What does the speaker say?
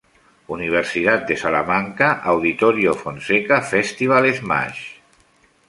Universidad de Salamanca Auditorio Fonseca Festival Smash.